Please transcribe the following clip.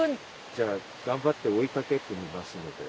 じゃあ頑張って追いかけっこしますので。